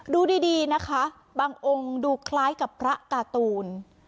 ดูดีนะคะบางองค์ดูคล้ายกับพระการ์ตูน